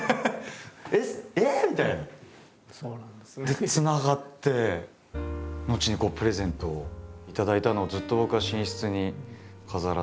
でつながって後にプレゼントを頂いたのをずっと僕は寝室に飾らせて。